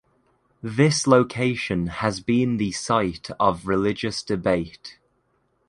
This location has been the site of religious debate.